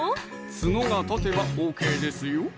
ツノが立てばＯＫですよ！